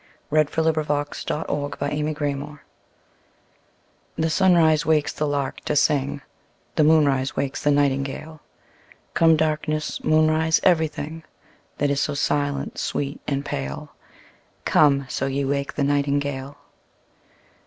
Not so, we have not met. BIRD RAPTURES. The sunrise wakes the lark to sing, The moonrise wakes the nightingale. Come darkness, moonrise, every thing That is so silent, sweet, and pale: Come, so ye wake the nightingale.